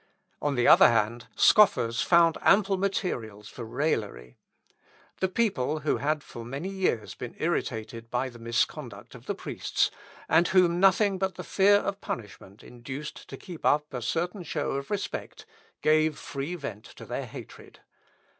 On the other hand, scoffers found ample materials for raillery. The people, who had for many years been irritated by the misconduct of the priests, and whom nothing but the fear of punishment induced to keep up a certain show of respect, gave free vent to their hatred.